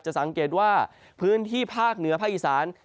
สังเกตว่าพื้นที่ภาคเหนือภาคอีสาน